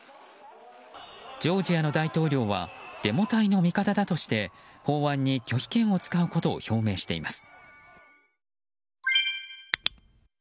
ジョージアの大統領はデモ隊の味方だとして法案に拒否権を使うことを表明しています。